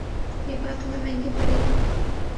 یہ بات تمہیں مہنگی پڑے گی